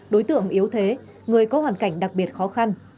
đối tượng yếu thế người có hoàn cảnh đặc biệt khó khăn